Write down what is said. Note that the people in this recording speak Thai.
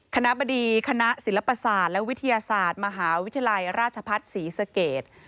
คณะบดีคณะศิลปศาสตร์และวิทยาศาสตร์มหาวิทยาลัยราชพัฒน์ศรีสเกต